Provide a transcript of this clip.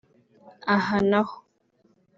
Aha na ho